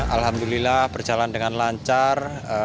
alhamdulillah berjalan dengan lancar